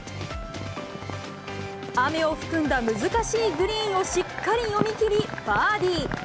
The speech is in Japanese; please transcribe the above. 雨を含んだ難しいグリーンをしっかり読み切り、バーディー。